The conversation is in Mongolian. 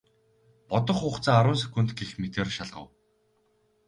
Бодох хугацаа арван секунд гэх мэтээр шалгав.